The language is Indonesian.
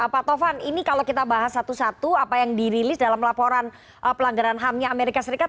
pak tovan ini kalau kita bahas satu satu apa yang dirilis dalam laporan pelanggaran hamnya amerika serikat